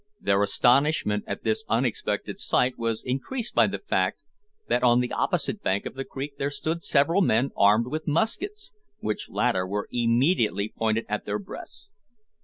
Their astonishment at this unexpected sight was increased by the fact that on the opposite bank of the creek there stood several men armed with muskets, which latter were immediately pointed at their breasts.